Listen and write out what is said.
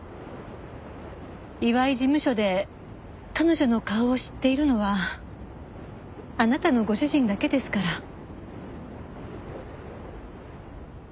岩井事務所で彼女の顔を知っているのはあなたのご主人だけですから。